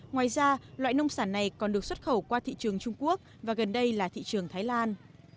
ngoài ra loại nông sản này còn được xuất khẩu qua thị trường trung quốc và gần đây là thị trường thái lan